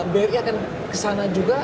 bab akan kesana juga